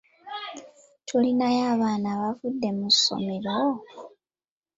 Tulinayo abaana abavudde mu ssomero?